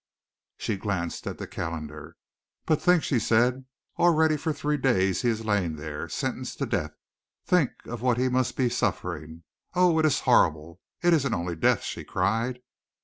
She glanced at the calendar. "But think," she said, "already for three days he has lain there, sentenced to death. Think of what he must be suffering. Oh, it is horrible! It isn't only death," she cried.